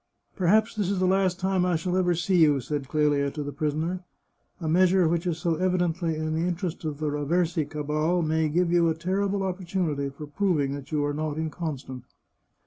" Perhaps this is the last time I shall ever see you," said Clelia to the prisoner. " A measure which is so evidently to the interest of the Raversi cabal may give you a terrible opportunity for proving that you are not inconstant."